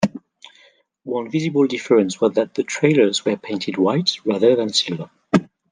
One visible difference was that the trailers were painted white, rather than silver.